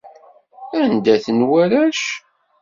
Anda-ten warrac?